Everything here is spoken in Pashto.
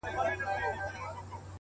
هر وختي ته نـــژدې كـيــږي دا،